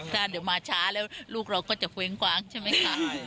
ถ้าเดี๋ยวมาช้าแล้วลูกเราก็จะเคว้งกวางใช่ไหมคะ